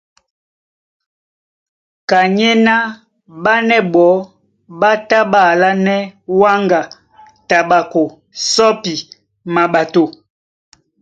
Kanyéná ɓánɛ́ ɓɔɔ́ ɓá tá ɓá alánɛ́ wáŋga, taɓako, sɔ́pi, maɓato.